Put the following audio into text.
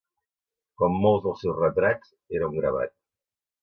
Com molts dels seus retrats, era un gravat.